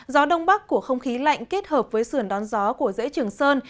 gió đông bắc của không khí lạnh kết hợp với sườn đón gió của dễ trường sơn